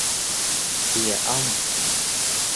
Kìa ông